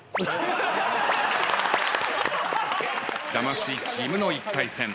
魂チームの１回戦。